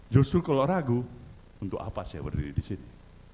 justru kalau ragu untuk apa saya berdiri di sini